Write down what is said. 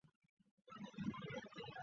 其中附有图画的有十三曲。